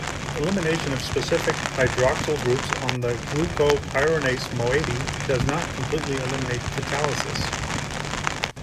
Elimination of specific hydroxyl groups on the glucopyranose moiety does not completely eliminate catalysis.